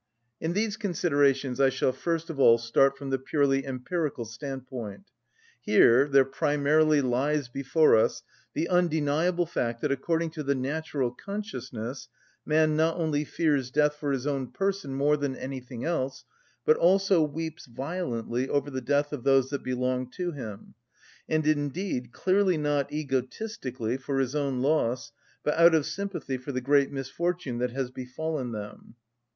In these considerations I shall first of all start from the purely empirical standpoint. Here there primarily lies before us the undeniable fact that, according to the natural consciousness, man not only fears death for his own person more than anything else, but also weeps violently over the death of those that belong to him, and indeed clearly not egotistically, for his own loss, but out of sympathy for the great misfortune that has befallen them.